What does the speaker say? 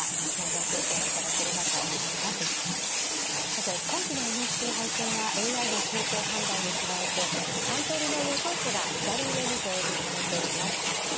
さて今期のＮＨＫ杯戦はＡＩの形勢判断に加えて３通りの予想手が左上に表示されています。